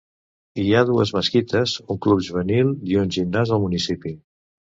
Hi ha dues mesquites, un club juvenil i un gimnàs al municipi.